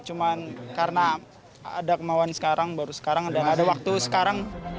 cuma karena ada kemauan sekarang baru sekarang dan ada waktu sekarang